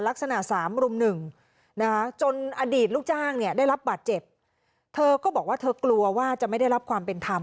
ลักษณะสามรุ่มหนึ่งนะคะจนอดีตลูกจ้างเนี่ยได้รับบาดเจ็บเธอก็บอกว่าเธอกลัวว่าจะไม่ได้รับความเป็นธรรม